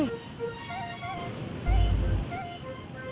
dari mana lu